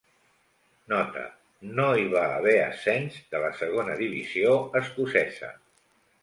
Nota: no hi va haver ascens de la Segona Divisió escocesa.